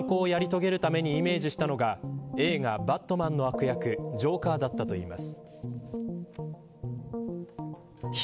犯行をやり遂げるためにイメージしたのが映画、バットマンの悪役ジョーカーだったといいます。